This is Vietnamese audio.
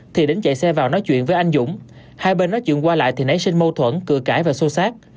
thì đánh chạy xe vào nói chuyện với anh dũng hai bên nói chuyện qua lại thì nấy sinh mâu thuẫn cửa cãi và xô xác